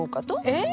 えっ？